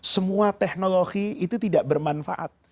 semua teknologi itu tidak bermanfaat